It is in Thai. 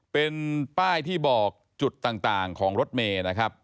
เป็นป้ายที่บอกจุดต่างของรถเมย์นะครับ